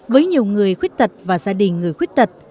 với nhiều người khuyết tật và gia đình người khuyết tật